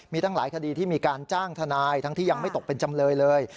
มีตั้งหลายคดีที่มีการจ้างทนายทั้งที่ยังไม่ตกเป็นจำเลยเลย